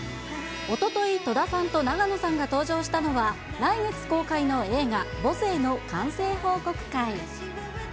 おととい、戸田さんと永野さんが登場したのは、来月公開の映画、母性の完成報告会。